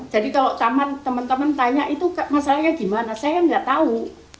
jadi kalau teman teman tanya itu masalahnya gimana saya tidak tahu